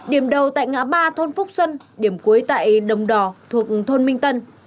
điểm đầu tại ngã ba thôn phúc xuân điểm cuối tại đồng đò thuộc thôn minh tân